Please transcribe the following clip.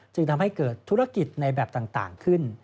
จึงทำให้เกิดธุรกิจในแบบต่างขึ้น